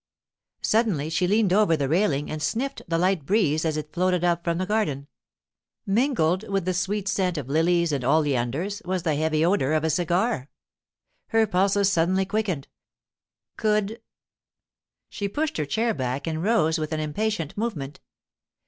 Suddenly she leaned over the railing and sniffed the light breeze as it floated up from the garden. Mingled with the sweet scent of lilies and oleanders was the heavy odour of a cigar. Her pulses suddenly quickened. Could——? She pushed her chair back and rose with an impatient movement.